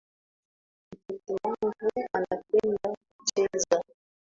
Mtoto wangu anapenda kucheza